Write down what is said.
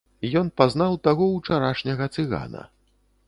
Ён пазнаў таго ўчарашняга цыгана.